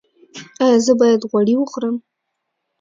ایا زه باید غوړي وخورم؟